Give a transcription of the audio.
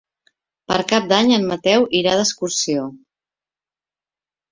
Per Cap d'Any en Mateu irà d'excursió.